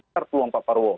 harus peluang pak perwo